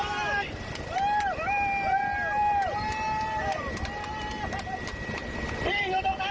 อยู่ตรงนั้นอยู่ตรงนั้น